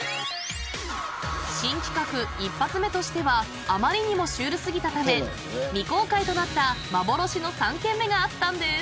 新企画一発目としてはあまりにもシュール過ぎたため未公開となった幻の３軒目があったんです。